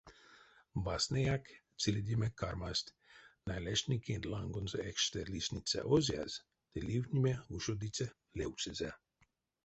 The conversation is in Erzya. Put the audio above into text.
Васняяк, циледеме кармасть налешникенть лангонзо экшстэ лисниця озяз ды ливтнеме ушодыця левксэзэ.